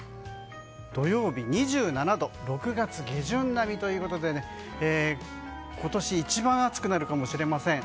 土曜日、２７度６月下旬並みということで今年一番暑くなるかもしれません。